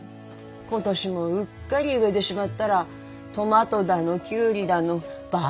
今年もうっかり植えでしまっだらトマトだのキュウリだのバガみたいに育って。